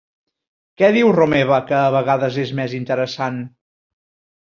Què diu Romeva que a vegades és més interessant?